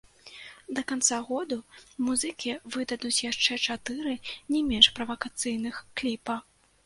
Да канца году музыкі выдадуць яшчэ чатыры не менш правакацыйных кліпа.